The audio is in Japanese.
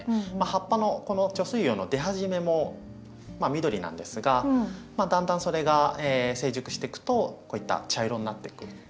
葉っぱのこの貯水葉の出始めも緑なんですがだんだんそれが成熟してくとこういった茶色になっていくと。